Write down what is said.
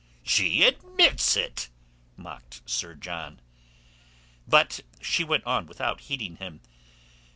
"She admits it!" mocked Sir John. But she went on without heeding him.